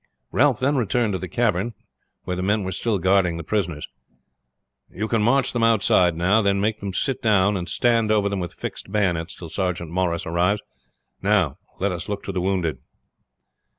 Ralph then returned to the cavern, where the men were still guarding the prisoners. "You can march them outside now," he said. "Then make them sit down, and stand over them with fixed bayonets till Sergeant Morris arrives. Now let us look to the wounded."